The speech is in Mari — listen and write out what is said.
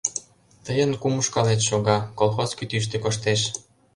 Тыйын кум ушкалет шога, колхоз кӱтӱштӧ коштеш...